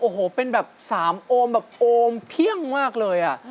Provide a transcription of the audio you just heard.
โอ้โหเป็นแบบ๓โอมแบบโอมเพียงมากเลยอ่ะ